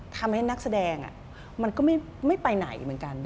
นักแสดงมันก็ไม่ไปไหนเหมือนกัน